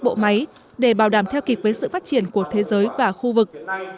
bộ máy để bảo đảm theo kịp với sự phát triển của thế giới và khu vực